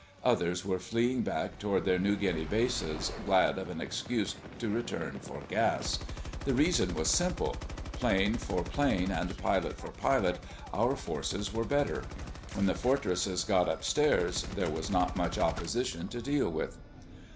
Others were fleeing back toward their New Guinea bases, glad of an excuse to return for gas. The reason was simple: plane for plane and pilot for pilot, our forces were better. When the Fortresses got "upstairs" there was not much opposition to deal with.